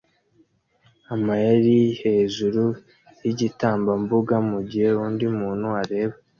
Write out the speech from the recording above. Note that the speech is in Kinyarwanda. amayeri hejuru yigitambambuga mugihe undi muntu areba